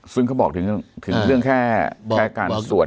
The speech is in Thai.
ซึ่งเขาบอกถึงเรื่องแค่การตรวจ